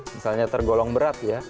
misalnya tergolong berat ya